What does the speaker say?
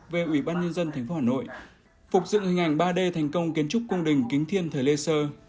về ủy ban nhân dân tp hà nội phục dựng hình ảnh ba d thành công kiến trúc cung đình kính thiên thời lê sơ